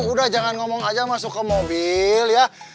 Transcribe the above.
udah jangan ngomong aja masuk ke mobil ya